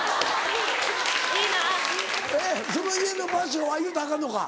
・いいな・その家の場所は言うたらアカンのか。